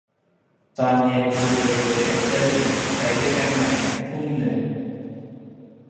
ตอนเย็นกูจะไปเจอไอ้เต้ย ไปด้วยกันไหม ทุ่มนึง